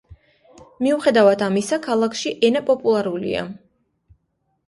მიუხედავად ამისა, ქალაქში ენა პოპულარულია.